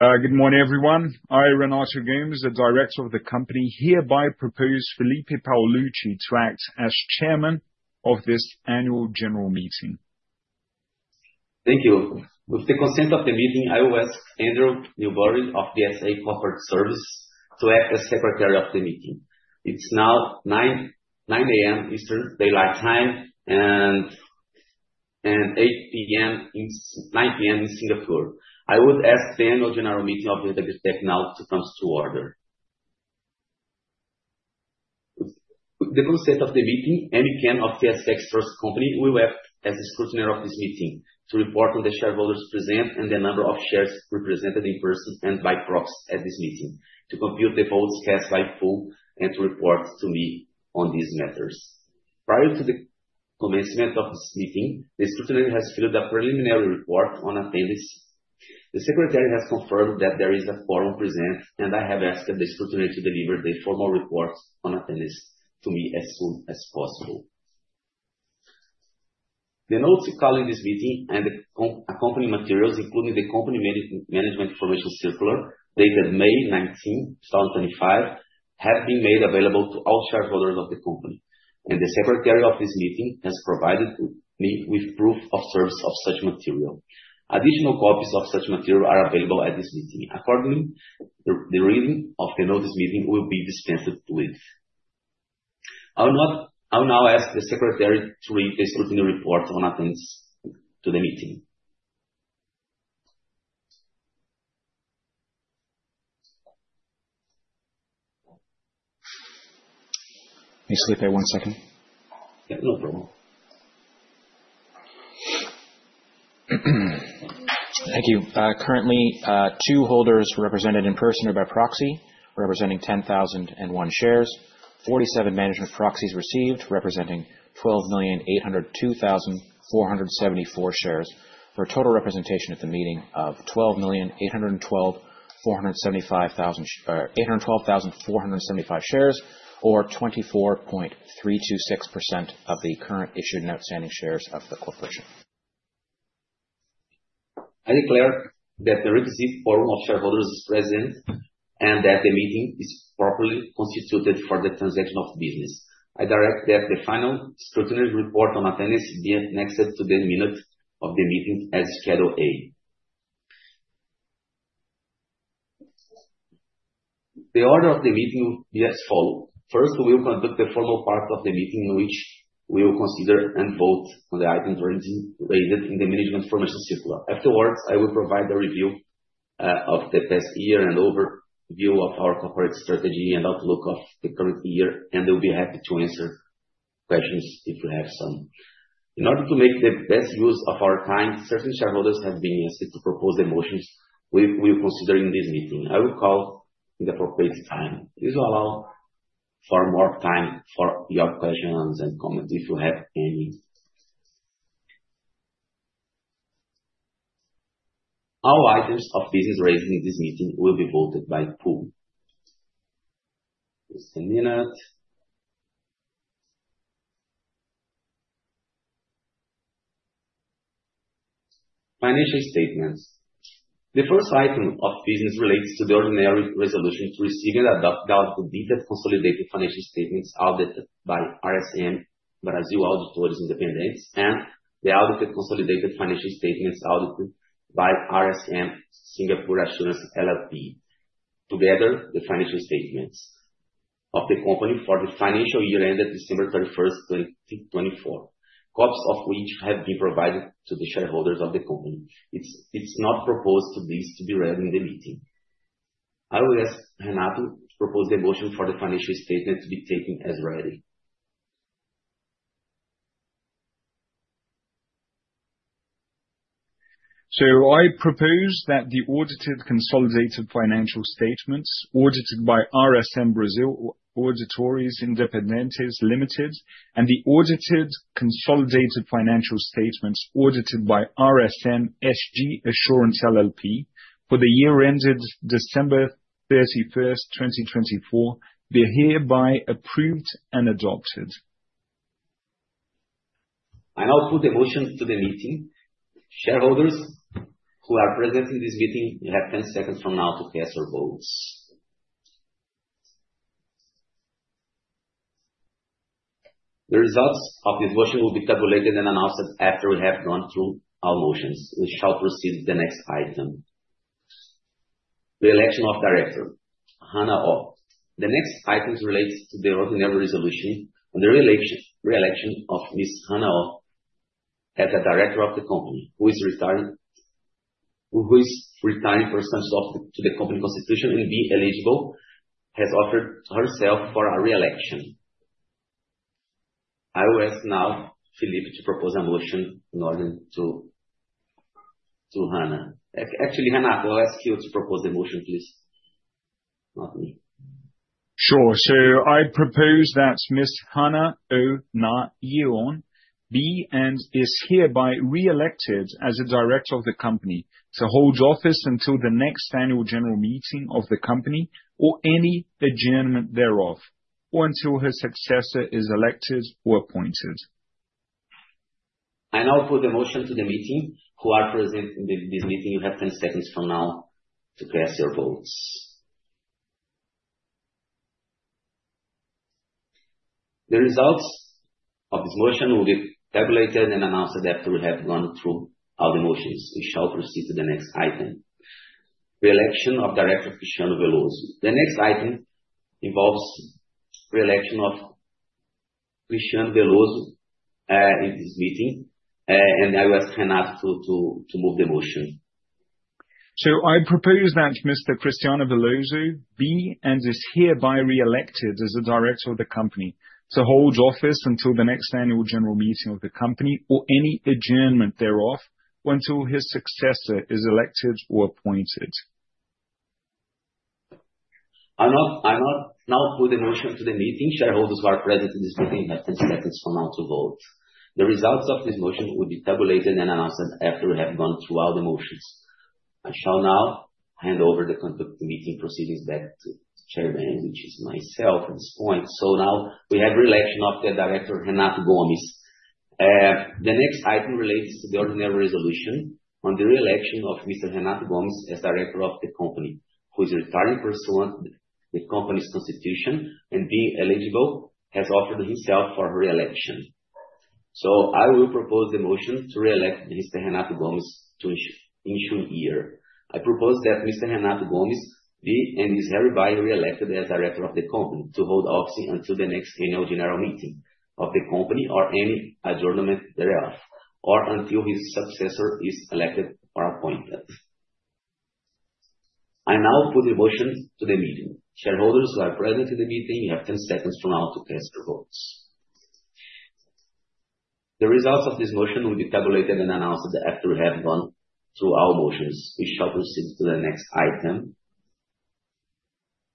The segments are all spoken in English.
Good morning, everyone. I, Renato Gomes, the Director of the company, hereby propose Felipe Paolucci to act as chairman of this Annual General Meeting. Thank you. With the consent of the meeting, I will ask Andrew Newbury of DSA Corporate Services to act as secretary of the meeting. It's now 9:09 A.M. Eastern Daylight Time and 9 P.M. in Singapore. I would ask the annual general meeting of Verde AgriTech now to come to order. With the consent of the meeting, Andy Kan of TSX Trust Company will act as the scrutineer of this meeting to report on the shareholders present and the number of shares represented in-person and by proxy at this meeting to compute the votes cast by poll and to report to me on these matters. Prior to the commencement of this meeting, the scrutineer has filed a preliminary report on attendance. The secretary has confirmed that there is a quorum present, and I have asked the scrutineer to deliver the formal report on attendance to me as soon as possible. The notice calling this meeting and the accompanying materials, including the company management information circular dated May 19, 2025, have been made available to all shareholders of the company, and the secretary of this meeting has provided me with proof of service of such material. Additional copies of such material are available at this meeting. Accordingly, the reading of the notice of meeting will be dispensed with. I will now ask the secretary to read the scrutineer report on attendance to the meeting. Hey, Felipe, one second. Yeah, no problem. Thank you. Currently, two holders represented in person or by proxy, representing 10,001 shares. 47 management proxies received representing 12,802,474 shares for a total representation at the meeting of 12,812,475 shares or 24.326% of the current issued and outstanding shares of the corporation. I declare that the requisite quorum of shareholders is present and that the meeting is properly constituted for the transaction of business. I direct that the final scrutiny report on attendance be annexed to the minute of the meeting as Schedule A. The order of the meeting will be as follow. First, we will conduct the formal part of the meeting in which we will consider and vote on the items raised in the management information circular. Afterwards, I will provide a review of the past year and overview of our corporate strategy and outlook of the current year. I'll be happy to answer questions if you have some. In order to make the best use of our time, certain shareholders have been asked to propose the motions we will consider in this meeting. I will call in the appropriate time. This will allow for more time for your questions and comments if you have any. All items of business raised in this meeting will be voted by poll. Just a minute. Financial statements. The first item of business relates to the ordinary resolution to receive and adopt the audited consolidated financial statements audited by RSM Brasil Auditores Independentes and the audited consolidated financial statements audited by RSM SG Assurance LLP. Together, the financial statements of the company for the financial year ended December 31, 2024, copies of which have been provided to the shareholders of the company. It's not proposed that this be read in the meeting. I will ask Renato to propose the motion for the financial statement to be taken as read. I propose that the audited consolidated financial statements audited by RSM Brasil Auditores Independentes Ltda. And the audited consolidated financial statements audited by RSM SG Assurance LLP for the year ended December 31, 2024, be hereby approved and adopted. I now put the motion to the meeting. Shareholders who are present in this meeting will have 10 seconds from now to cast their votes. The results of this motion will be tabulated and announced after we have gone through our motions. We shall proceed to the next item. The election of Director Hannah Oh. The next item relates to the ordinary resolution on the re-election of Ms. Hannah Oh as a director of the company who is retiring pursuant to the company constitution and being eligible, has offered herself for a re-election. I will ask now Felipe to propose a motion in order to Hannah. Actually, Renato, I'll ask you to propose the motion please, not me. Sure. I propose that Ms. Hannah Oh Na Yeon be and is hereby re-elected as a director of the company to hold office until the next Annual General Meeting of the company or any adjournment thereof, or until her successor is elected or appointed. I now put the motion to the meeting who are present in this meeting. You have 10 seconds from now to cast your votes. The results of this motion will be tabulated and announced after we have gone through all the motions. We shall proceed to the next item, reelection of Director Cristiano Veloso. The next item involves reelection of Cristiano Veloso, in this meeting. I will ask Renato to move the motion. I propose that Mr. Cristiano Veloso be, and is hereby reelected as a director of the company to hold office until the next annual general meeting of the company or any adjournment thereof, until his successor is elected or appointed. I now put the motion to the meeting. Shareholders who are present in this meeting have 10 seconds from now to vote. The results of this motion will be tabulated and announced after we have gone through all the motions. I shall now hand over the conduct meeting proceedings back to Chairman, which is myself at this point. Now we have reelection of the director, Renato Gomes. The next item relates to the ordinary resolution on the reelection of Mr. Renato Gomes as director of the company, who is retiring pursuant to the company's constitution and being eligible, has offered himself for reelection. I will propose the motion to reelect Mr. Renato Gomes to the ensuing year. I propose that Mr. Renato Gomes be and is hereby reelected as director of the company to hold office until the next annual general meeting of the company or any adjournment thereof, or until his successor is elected or appointed. I now put the motion to the meeting. Shareholders who are present in the meeting, you have 10 seconds from now to cast your votes. The results of this motion will be tabulated and announced after we have gone through all motions. We shall proceed to the next item,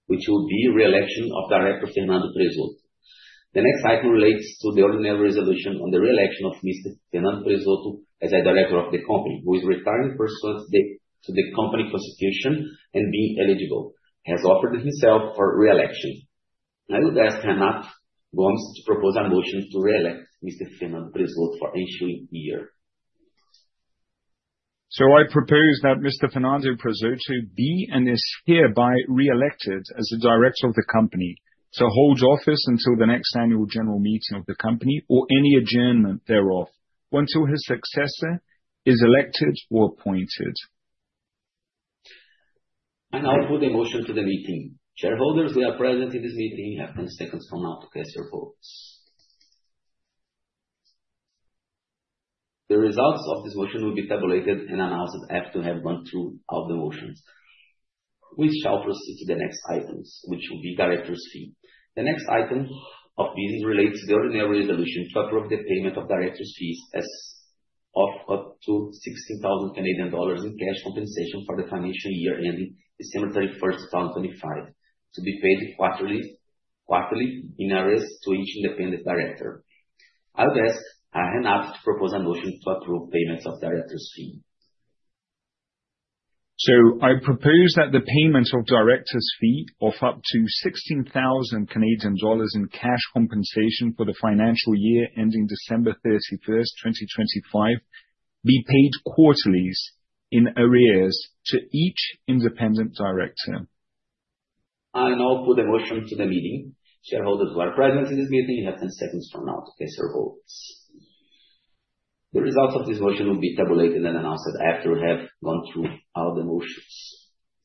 which will be reelection of Director Fernando Prezzotto. The next item relates to the ordinary resolution on the reelection of Mr. Fernando Prezzotto as a director of the company who is retiring pursuant to the company constitution and, being eligible, has offered himself for reelection. I would ask Renato Gomes to propose a motion to reelect Mr. Fernando Prezzotto for ensuing year. I propose that Mr. Fernando Prezzotto be and is hereby reelected as the director of the company to hold office until the next Annual General Meeting of the company or any adjournment thereof, until his successor is elected or appointed. I now put the motion to the meeting. Shareholders who are present in this meeting have 10 seconds from now to cast your votes. The results of this motion will be tabulated and announced after we have gone through all the motions. We shall proceed to the next items, which will be director's fee. The next item of business relates to the ordinary resolution to approve the payment of director's fees as of up to 16,000 Canadian dollars in cash compensation for the financial year ending December 31, 2025, to be paid quarterly in arrears to each independent director. I'll ask Renato to propose a motion to approve payments of director's fee. I propose that the payment of director's fee of up to 16,000 Canadian dollars in cash compensation for the financial year ending December 31, 2025, be paid quarterly in arrears to each independent director. I now put the motion to the meeting. Shareholders who are present in this meeting, you have 10 seconds from now to cast your votes. The results of this motion will be tabulated and announced after we have gone through all the motions.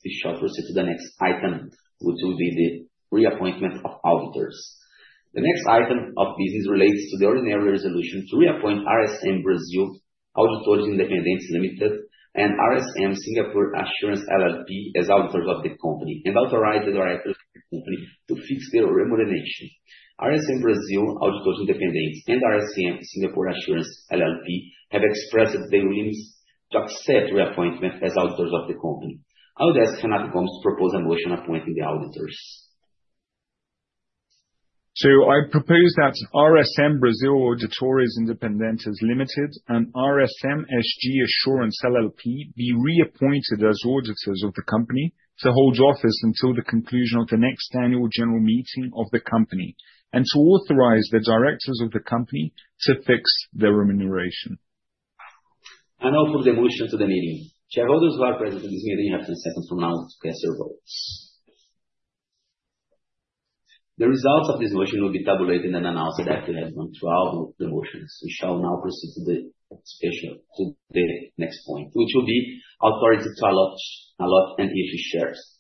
We shall proceed to the next item, which will be the reappointment of auditors. The next item of business relates to the ordinary resolution to reappoint RSM Brasil Auditores Independentes Ltda. And RSM SG Assurance LLP as auditors of the company, and authorize the directors of the company to fix their remuneration. RSM Brasil Auditores Independentes and RSM SG Assurance LLP have expressed their willingness to accept reappointment as auditors of the company. I would ask Renato Gomes to propose a motion appointing the auditors. I propose that RSM Brasil Auditores Independentes Ltda. And RSM SG Assurance LLP be reappointed as auditors of the company to hold office until the conclusion of the next Annual General Meeting of the company and to authorize the directors of the company to fix their remuneration. I now put the motion to the meeting. Shareholders who are present in this meeting have 10 seconds from now to cast your votes. The results of this motion will be tabulated and announced after we have gone through all the motions. We shall now proceed to the next point, which will be authority to allot and issue shares.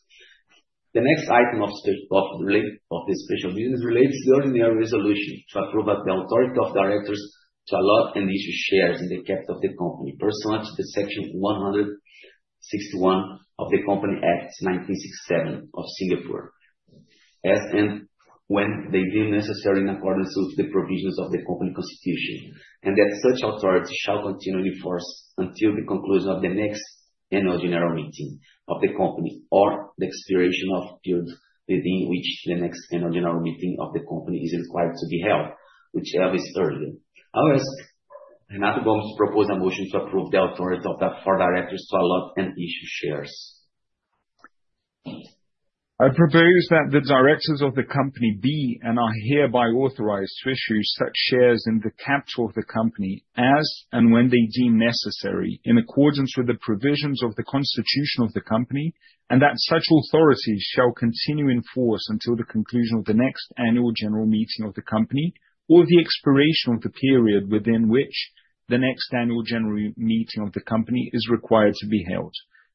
The next item of the special business relates to the ordinary resolution to approve the authority of directors to allot and issue shares in the capital of the company pursuant to Section 161 of the Companies Act 1967 of Singapore, as and when they deem necessary in accordance with the provisions of the company constitution. That such authority shall continue in force until the conclusion of the next Annual General Meeting of the company or the expiration of the period within which the next Annual General Meeting of the company is required to be held, whichever is earlier. I'll ask Renato Gomes to propose a motion to approve the authority for directors to allot and issue shares. I propose that the directors of the company be and are hereby authorized to issue such shares in the capital of the company as and when they deem necessary in accordance with the provisions of the constitution of the company. That such authorities shall continue in force until the conclusion of the next Annual General Meeting of the company or the expiration of the period within which the next Annual General Meeting of the company is required to be held,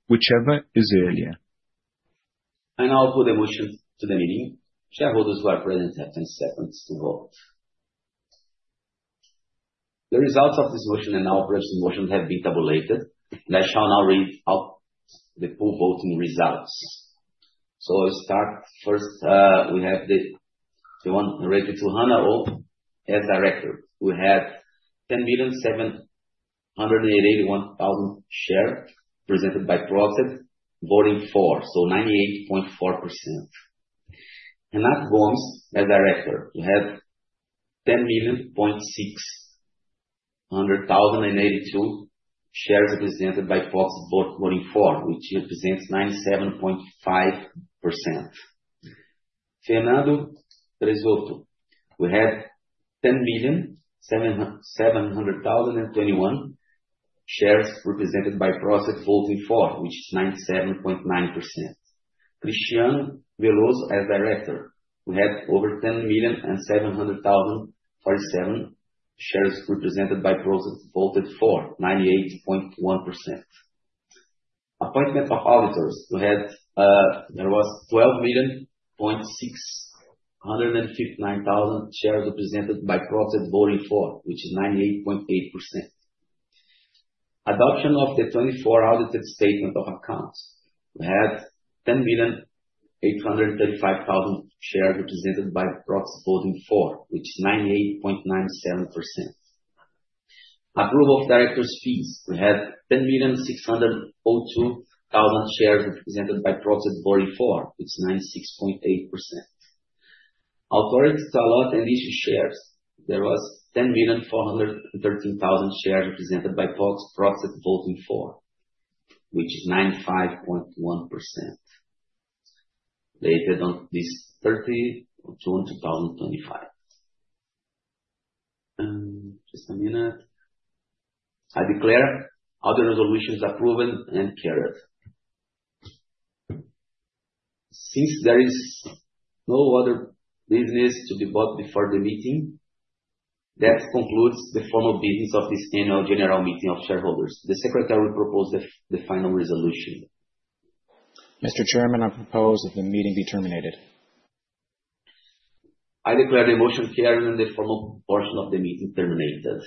whichever is earlier. I'll put the motion to the meeting. Shareholders who are present have ten seconds to vote. The results of this motion and all previous motions have been tabulated, and I shall now read out the full voting results. I'll start first, we have the one related to Hannah Oh as director. We have 10,781,000 shares represented by proxy voting for, so 98.4%. To Renato Gomes as director, we have 10,600,082 shares represented by proxy voting for, which represents 97.5%. Fernando Prezzotto, we have 10,700,021 shares represented by proxy voting for which is 97.9%. Cristiano Veloso as director, we have over 10,700,047 shares represented by proxy voted for, 98.1%. Appointment of auditors. We had there was 12,659,000 shares represented by proxy voting for, which is 98.8%. Adoption of the 2024 audited statement of accounts. We had 10,835,000 shares represented by proxy voting for, which is 98.97%. Approval of directors fees. We have 10,602,000 shares represented by proxy voting for, it's 96.8%. Authority to allot and issue shares. There was 10,413,000 shares represented by proxies voting for, which is 95.1% dated on this 30th of June 2025. Just a minute. I declare other resolutions are proven and carried. Since there is no other business to be brought before the meeting, that concludes the formal business of this annual general meeting of shareholders. The secretary will propose the final resolution. Mr. Chairman, I propose that the meeting be terminated. I declare the motion carried and the formal portion of the meeting terminated.